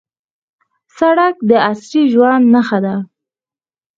سړک د عصري ژوند نښه ده.